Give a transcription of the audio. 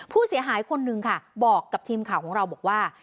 ผู้เสียหายคนนึงค่ะบอกกับทีมข่าวของเราบอกว่า